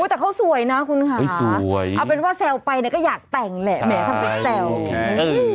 อุ๊ยแต่เขาสวยนะคุณค่ะเอาเป็นว่าแซวไปก็อยากแต่งแหละแหมทำดูแซว